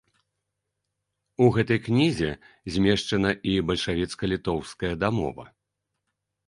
У гэтай кнізе змешчана і бальшавіцка-літоўская дамова.